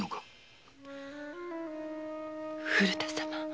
古田様。